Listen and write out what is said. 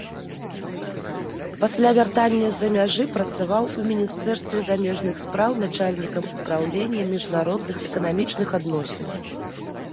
Пасля вяртання з-за мяжы працаваў у міністэрстве замежных спраў начальнікам упраўлення міжнародных эканамічных адносін.